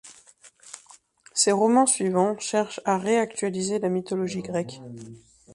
Ses romans suivants cherchent à réactualiser la mythologie grecque.